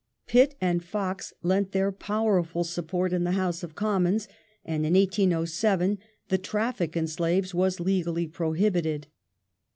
Pitt and Fox lent their powerful support in the House of Commons, and in 1807 the traffic in slaves was legally prohibited.